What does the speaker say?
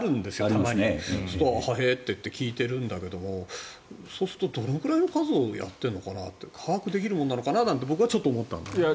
そうするとへえーって聞いているんだけどそうすると、どれくらいの数をやっているのかな把握できるものなのかって僕は思ったんだけど。